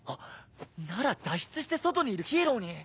なら脱出して外にいるヒーローに。